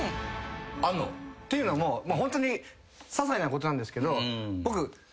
あんの？っていうのもささいなことなんですけど僕。